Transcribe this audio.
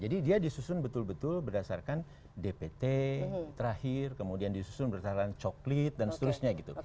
jadi dia disusun betul betul berdasarkan dpt terakhir kemudian disusun berdasarkan coklit dan seterusnya gitu